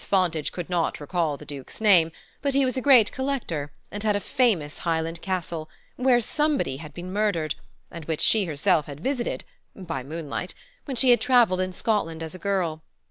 Fontage could not recall the Duke's name, but he was a great collector and had a famous Highland castle, where somebody had been murdered, and which she herself had visited (by moonlight) when she had travelled in Scotland as a girl.